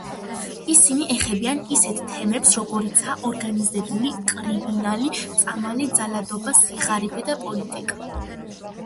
ისინი ეხებიან ისეთ თემებს, როგორიცაა ორგანიზებული კრიმინალი, წამალი, ძალადობა, სიღარიბე და პოლიტიკა.